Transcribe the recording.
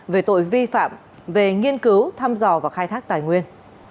về tội vi phạm về nghiên cứu thăm dò và khai thác tài nguyên